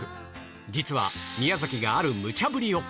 実は宮崎があるむちゃぶりを。